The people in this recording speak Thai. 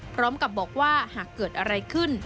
พร้อมกับบอกว่าหากเกิดอะไรขึ้น